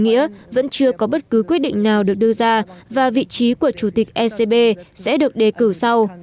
nghĩa vẫn chưa có bất cứ quyết định nào được đưa ra và vị trí của chủ tịch ecb sẽ được đề cử sau